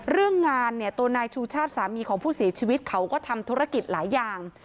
เรื่องงานเนี่ยตัวนายชูชาติสามีของผู้เสียชีวิตเขาก็ทำธุรกิจหลายอย่าง